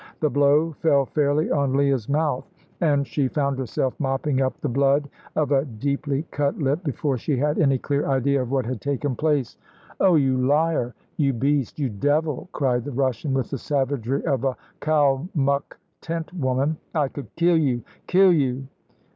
The blow fell fairly on Leah's mouth, and she found herself mopping up the blood of a deeply cut lip before she had any clear idea of what had taken place. "Oh, you liar, you beast, you devil!" cried the Russian, with the savagery of a Kalmuck tent woman. "I could kill you kill you."